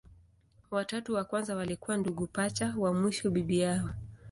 Watatu wa kwanza walikuwa ndugu pacha, wa mwisho bibi yao.